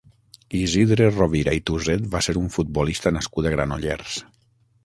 Isidre Rovira i Tuset va ser un futbolista nascut a Granollers.